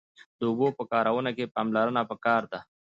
د اوبو په کارونه کښی پاملرنه پکار ده